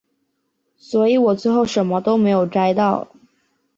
所以我最后什么都没有摘到